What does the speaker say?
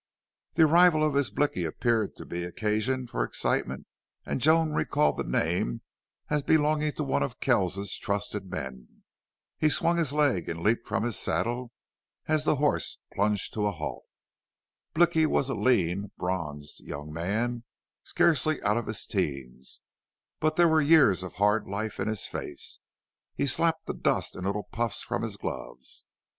The arrival of this Blicky appeared to be occasion for excitement and Joan recalled the name as belonging to one of Kells's trusted men. He swung his leg and leaped from his saddle as the horse plunged to a halt. Blicky was a lean, bronzed young man, scarcely out of his teens, but there were years of hard life in his face. He slapped the dust in little puffs from his gloves.